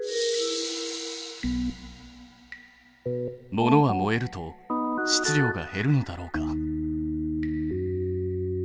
ものは燃えると質量が減るのだろうか？